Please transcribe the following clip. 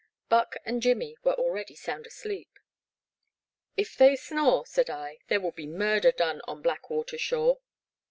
Buck and Jimmy were already sound asleep. *' If they snore," said I, there will be murder done on Black Water shore."